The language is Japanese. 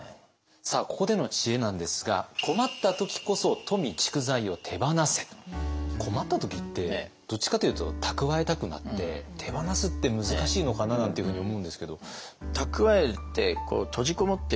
さあここでの知恵なんですが困った時ってどっちかというと蓄えたくなって手放すって難しいのかななんていうふうに思うんですけど。